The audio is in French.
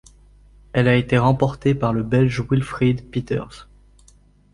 Elle a été remportée par le Belge Wilfried Peeters.